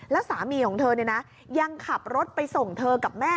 แล้วสามีของเธอยังขับรถไปส่งเธอกับแม่